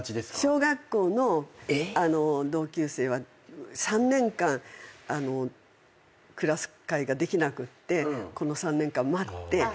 小学校の同級生は３年間クラス会ができなくってこの３年間待って。